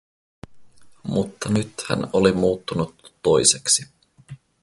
Mutta nyt hän oli muuttunut toiseksi.